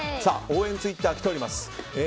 応援ツイッターきております。